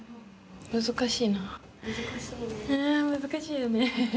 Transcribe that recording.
ねえ難しいよね。